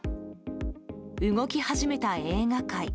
動き始めた映画界。